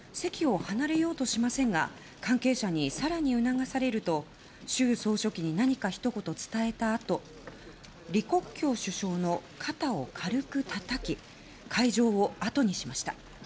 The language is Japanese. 席を離れようとしませんが関係者に更に促されると習総書記に何かひと言伝えたあと李克強首相の肩を軽くたたき会場をあとにしました。